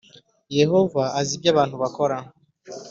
Yehova azi ibyo abantu bakora